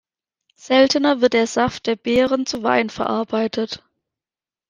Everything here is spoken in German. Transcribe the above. Seltener wird der Saft der Beeren zu Wein verarbeitet.